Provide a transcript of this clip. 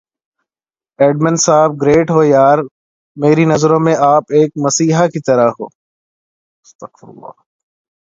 admin صاحب great ہو یار میری نظروں میں آپ ایک مسیحا کی طرح ہوں